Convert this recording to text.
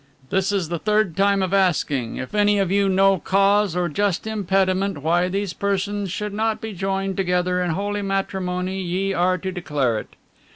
This is the third time of asking. If any of you know cause or just impediment why these persons should not be joined together in holy matrimony, ye are to declare it."